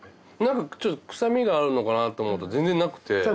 なんかちょっと臭みがあるのかなと思ったら全然なくて。